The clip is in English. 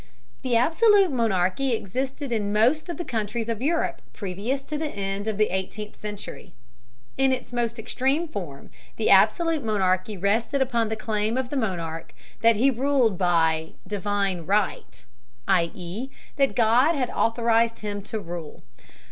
The absolute monarchy existed in most of the countries of Europe previous to the end of the eighteenth century. In its most extreme form the absolute monarchy rested upon the claim of the monarch that he ruled by "divine right," i.e., that God had authorized him to rule.